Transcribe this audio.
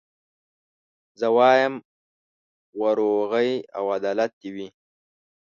زه وايم وروغي او عدالت دي وي